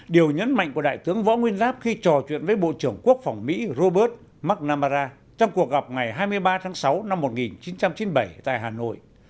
điều nhấn mạnh của đại tướng võ nguyên giáp khi trò chuyện với bộ trưởng quốc phòng mỹ robert mcnamara trong cuộc gặp ngày hai mươi ba tháng sáu năm một nghìn chín trăm chín mươi bảy tại hà nội